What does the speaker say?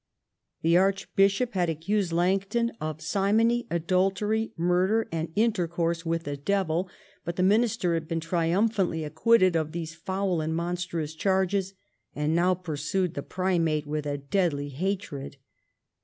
The archbishop had accused Langton of simony, adultery, murder, and intercourse with the devil ; but the minister had been triumphantly acquitted of these foul and monstrous charges, and now pursued the primate with a deadly hatred.